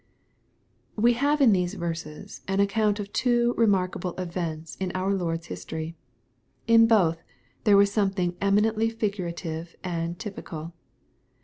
We have in these verses an account of two remarkable events in our Lord's history. In both, there ^as some thing eminently figurative and typical.